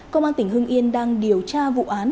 công an tỉnh hưng yên đang điều tra vụ án